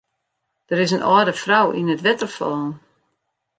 Der is in âlde frou yn it wetter fallen.